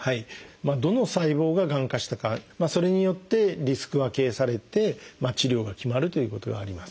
どの細胞ががん化したかそれによってリスク分けされて治療が決まるということがあります。